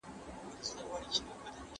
پاک او طاهر اوسېدل ښه خصلت دی.